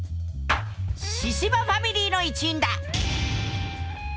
神々ファミリーの一員だ！